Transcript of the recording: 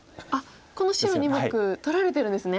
この白２目取られてるんですね。